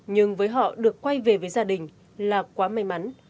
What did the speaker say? nhưng với họ được quay về với gia đình là quá may mắn